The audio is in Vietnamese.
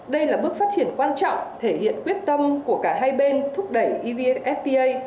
đây là bước phát triển quan trọng thể hiện quyết tâm của cả hai bên thúc đẩy evfta